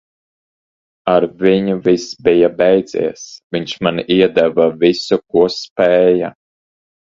Ar viņu viss bija beidzies. Viņš man iedeva visu, ko spēja.